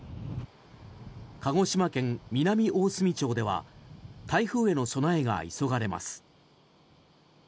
鹿児島県南大隅町では台風への備えが急がれます。